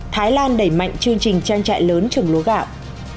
thái lan đẩy mạnh chương trình trang trại lớn trồng lúa gạo